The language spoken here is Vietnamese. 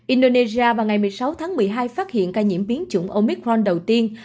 indonesia vào ngày một mươi sáu tháng một mươi hai phát hiện ca nhiễm biến chủng omicron đầu tiên